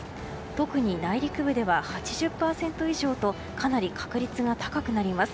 特に内陸部では８０％以上とかなり確率が高くなります。